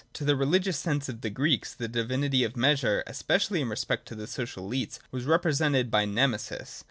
To the religious sense of the Greeks the divinity of measure, especially in respect of social ethics, was re presented by Nemesis.